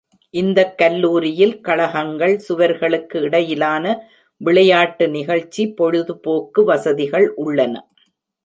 இந்தக் கல்லூரியில் கழகங்கள், சுவர்களுக்கு இடையிலான விளையாட்டு நிகழ்ச்சி, பொழுதுபோக்கு வசதிகள் உள்ளன.